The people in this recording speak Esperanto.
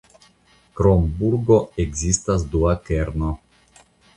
Krom burgo ekzistis dua kerno.